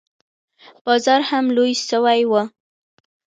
بازار هم لوى سوى و.